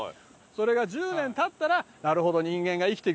それが１０年経ったらなるほど人間が生きていく基本だなと。